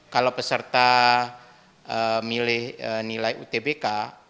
kalau peserta milih nilai utbk